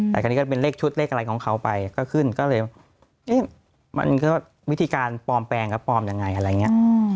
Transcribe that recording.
แต่คณะนี้ก็เป็นเลขชุดเลขของเขาไปก็ขึ้นเลยมันก็วิธีการปลอมแปรงและปลอมแบบไง